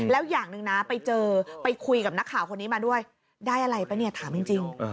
แล้วอย่างหนึ่งนะไปเจอไปคุยกับนักข่าวคนนี้มาด้วยได้อะไรป่ะเนี่ยถามจริง